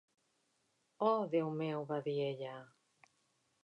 "Oh, Déu meu!", va dir ella.